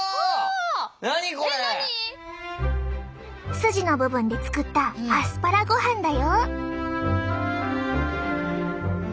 スジの部分で作ったアスパラご飯だよ。